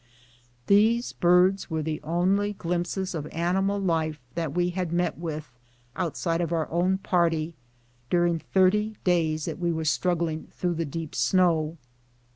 • These birds were the only glimpses of animal life that we had met with, outside of our own party, during thirty days that we were struggling through the deep snow.